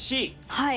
はい。